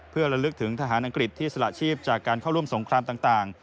เพื่อระลึกถึงทหารอังกฤษที่สละชีพจากการเข้าร่วมสงครามต่าง